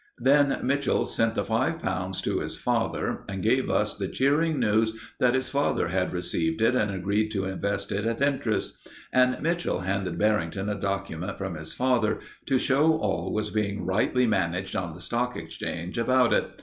Then Mitchell sent the five pounds to his father, and gave us the cheering news that his father had received it and agreed to invest it at interest; and Mitchell handed Barrington a document from his father to show all was being rightly managed on the Stock Exchange about it.